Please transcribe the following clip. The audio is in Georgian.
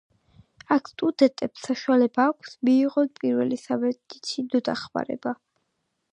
აქ სტუდენტებს საშუალება აქვთ მიიღონ პირველი სამედიცინო დახმარება.